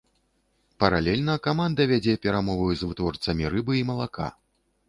Паралельна каманда вядзе перамовы з вытворцамі рыбы і малака.